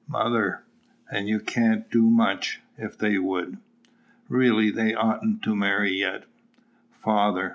Mother. And you can't do much, if they would. Really, they oughtn't to marry yet. _Father.